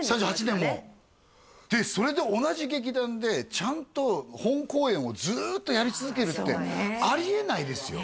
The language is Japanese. ３８年もでそれで同じ劇団でちゃんと本公演をずっとやり続けるってありえないですよ